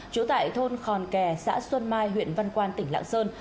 trú tại thôn khòn kè xã xuân mai huyện văn quan tỉnh lạng sơn